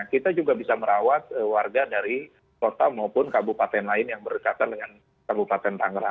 kita juga bisa merawat warga dari kota maupun kabupaten lain yang berdekatan dengan kabupaten tangerang